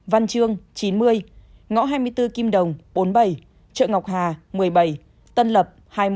văn trương chín mươi ngõ hai mươi bốn kim đồng bốn mươi bảy trợ ngọc hà một mươi bảy tân lập hai mươi